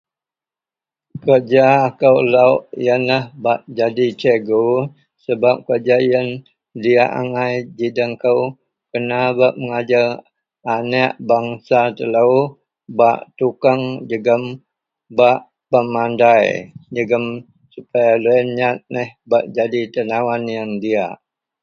Kerja wak lo kou ialah ba jadi cikgu kerja yian diak angai ji den kou kena bak mengajar aniek bangsa telo bak tukang bak pandai supaya lo yian nyat jadi a diak.